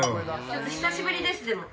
久しぶりですでも。